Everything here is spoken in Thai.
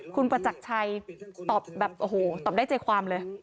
คุณประจักรชัยตอบแบบโอ้โหตอบได้ใจความเลย